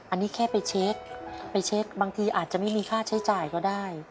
อันนี้แค่ไปเช็คไปเช็คบางทีอาจจะไม่มีค่าใช้จ่ายก็ได้